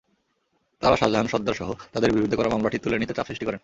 তাঁরা শাহজাহান সর্দারসহ তাঁদের বিরুদ্ধে করা মামলাটি তুলে নিতে চাপ সৃষ্টি করেন।